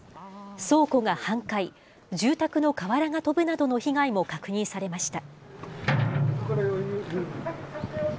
倉庫が半壊、住宅の瓦が飛ぶなどの被害も確認されました。